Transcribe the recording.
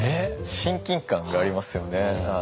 親近感がありますよね。